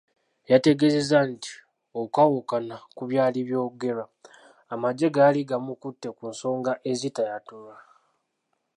Yategeeza nti okwawukana ku byali byogerwa, amagye gaali gamukutte kunsonga ezitaayatulwa.